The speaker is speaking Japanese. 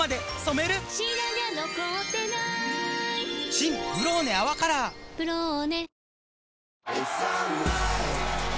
新「ブローネ泡カラー」「ブローネ」